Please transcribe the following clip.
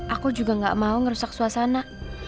aku juga gak mau ngerusak suasana